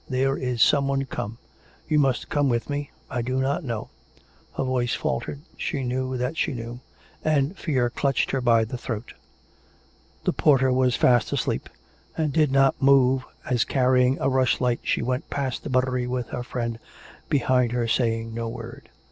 There is someone come. You must come with me. I do not know " Her voice faltered: she knew that she knew, and fear clutched her by the throat. The porter was fast asleep, and did not move, as carry ing a rushlight she went past the buttery with her friend behind her saying no word.